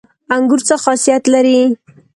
انګور څه خاصیت لري؟